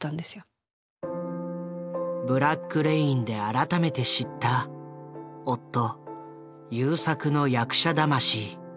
「ブラック・レイン」で改めて知った夫優作の役者魂。